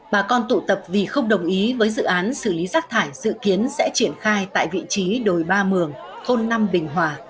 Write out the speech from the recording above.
bà con tụ tập vì không đồng ý với dự án xử lý rác thải dự kiến sẽ triển khai tại vị trí đồi ba mường thôn năm bình hòa